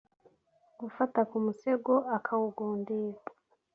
Gufata ku musego akawugundira